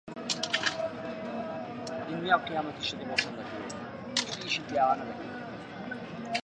گوتیان ئەفسەر لە مووسڵە، دوو ڕۆژ سەبر بکەن تا دێتەوە